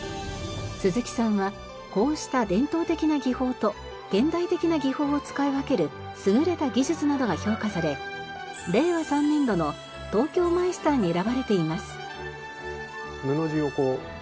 鈴木さんはこうした伝統的な技法と現代的な技法を使い分ける優れた技術などが評価され令和３年度の東京マイスターに選ばれています。